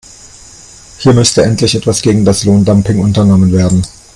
Hier müsste endlich etwas gegen das Lohndumping unternommen werden.